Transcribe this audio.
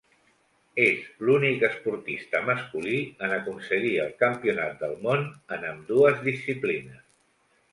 És l'únic esportista masculí en aconseguir el campionat del món en ambdues disciplines.